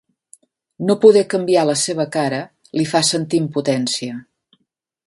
No poder canviar la seva cara li fa sentir impotència.